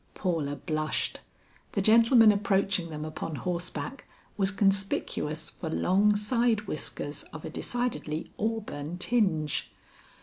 Paula blushed. The gentleman approaching them upon horseback was conspicuous for long side whiskers of a decidedly auburn tinge.